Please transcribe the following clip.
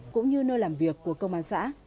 cũng như nơi làm việc của công an xã